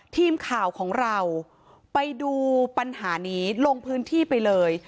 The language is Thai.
ทีมข่าวของเราไปดูปัญหานี้ลงพื้นที่ไปเลย